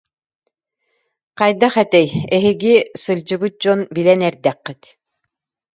Хайдах этэй, эһиги, сылдьыбыт дьон, билэн эрдэххит